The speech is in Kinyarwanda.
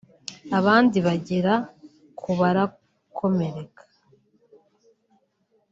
abandi bagera ku barakomereka